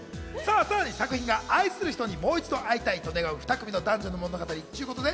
さらに作品が愛する人にもう一度会いたいと願う２組の男女の物語ということで、